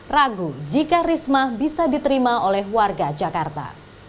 ragu jika risma bisa diterima oleh warga jakarta